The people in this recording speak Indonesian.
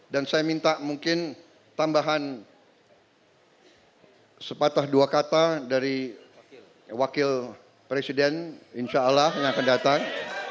dan saya minta mungkin tambahan sepatah dua kata dari wakil presiden insyaallah yang akan datang